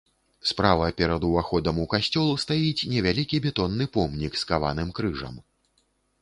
Справа перад уваходам у касцёл стаіць невялікі бетонны помнік з каваным крыжам.